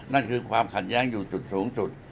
นั่นคือความขัดแย้งอยู่จุดสูงสุด